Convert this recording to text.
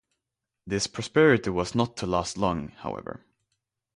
This prosperity was not to last long, however.